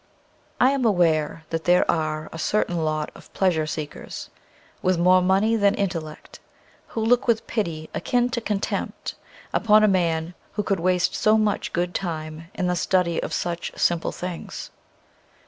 I am aware that there are a certain lot of pleasure seekers, with more money than in tellect, who look with pity akin to contempt upon a man who could waste so much good time in the study of such simple things.